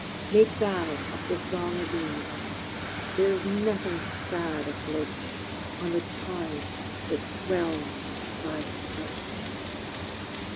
Take thou up the song again: There is nothing sad afloat On the tide that swells thy throat!